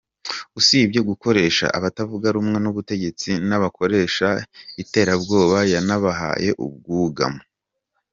Usibye gukoresha abatavuga rumwe n’ubutegetsi n’abakoresha iterabwoba yanabahaye ubwugamo.